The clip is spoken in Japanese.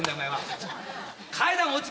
階段落ち！